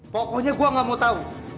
pokoknya gue gak mau tahu